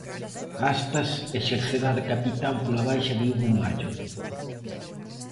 Aspas exercerá de capitán pola baixa de Hugo Mallo.